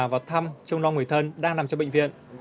và thăm trong non người thân đang nằm trong bệnh viện